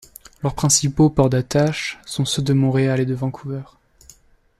Leur principaux ports d'attache sont ceux de Montréal et de Vancouver.